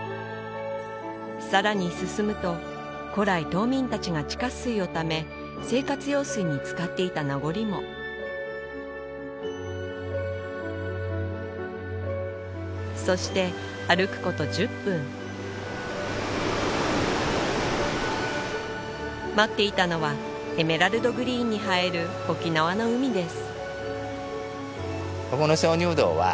さらに進むと古来島民たちが地下水をため生活用水に使っていた名残もそして歩くこと１０分待っていたのはエメラルドグリーンに映える沖縄の海です